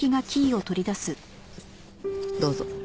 どうぞ。